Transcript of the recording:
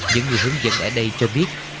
những người hướng dẫn ở đây cho biết